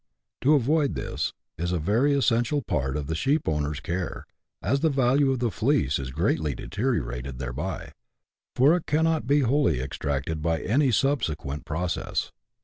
~ To avoid this is a very essential part of the sheepowner's care, as the value of the fleece is greatly deteriorated thereby, for it cannot be wholly extracted by any subsequent process.